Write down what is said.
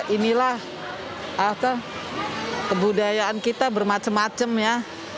inilah kebudayaan kita bermacam macam ya